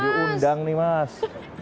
baju undang nih mas